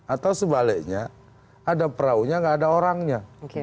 atau sebaliknya ada peraunya nggak ada orangnya